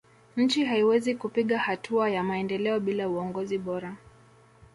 nchi haiwezi kupiga hatua ya maendeleo bila uongozi bora